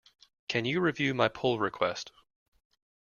Can you review my pull request?